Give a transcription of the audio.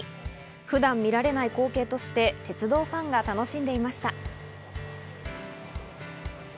普段見られない光景として鉄道ファンが楽しんでいました。